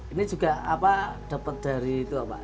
ini juga dapat dari itu pak